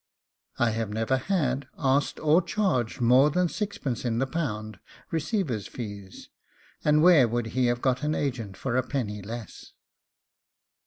I have never had, asked, or charged more than sixpence in the pound, receiver's fees, and where would he have got an agent for a penny less?